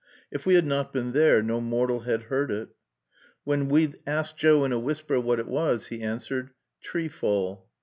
If we had not been there, no mortal had heard it. When we asked Joe in a whisper what it was, he answered, "Tree fall."